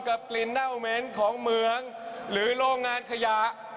กลิ่นเน่าเหม็นของเมืองหรือโรงงานขยะ